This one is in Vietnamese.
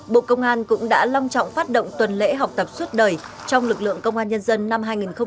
bộ công an cũng đã long trọng phát động tuần lễ học tập suốt đời trong lực lượng công an nhân dân năm hai nghìn hai mươi